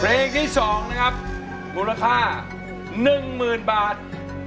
เพลงที่สองนะครับมูลค่าหนึ่งหมื่นบาท